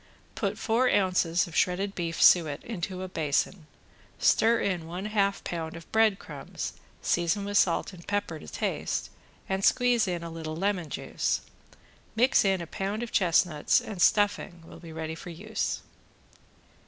Put four ounces of shredded beef suet into a basin, stir in one half pound of bread crumbs, season with salt and pepper to taste, and squeeze in a little lemon juice. Mix in a pound of chestnuts and stuffing will be ready for use.